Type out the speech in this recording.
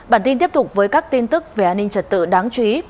bản tin tiếp tục với các tin tức về an ninh trật tự đáng chú ý